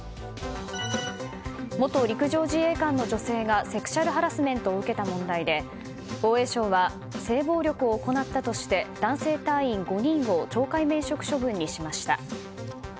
元陸上自衛官の女性がセクシュアルハラスメントを受けた問題で防衛省は性暴力を行ったとして男性隊員５人を懲戒免職処分にしました。